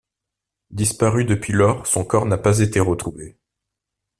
Disparue depuis lors, son corps n'a pas été retrouvé.